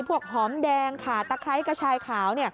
หอมแดงขาตะไคร้กระชายขาว